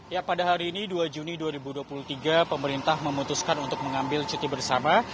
ya pada hari ini dua juni dua ribu dua puluh tiga pemerintah memutuskan untuk mengambil cuti bersama